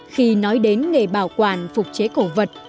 khi nói đến nghề bảo quản phục chế cổ vật